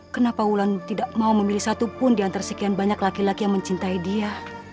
kenapa wulan tidak mau memilih satupun di antara sekian banyak laki laki yang mencintai dia